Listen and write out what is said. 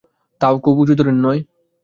তাও খুব উঁচুদরের নয়।